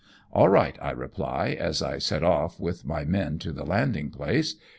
" All right," I reply, as I set ofi" with my men to the landing place.